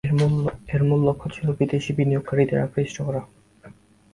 এর মূল লক্ষ্য ছিল, বিদেশি বিনিয়োগকারীদের আকৃষ্ট করা।